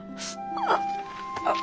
あっ。